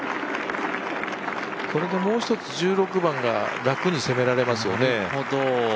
これでもう１つ１６番が楽に攻められますよね。